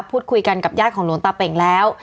พูดคุยกันกับญาติของหลวงตาเป่งแล้ว